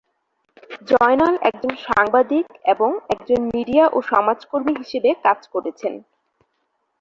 জয়নাল একজন সাংবাদিক এবং একজন মিডিয়া ও সমাজকর্মী হিসেবে কাজ করেছেন।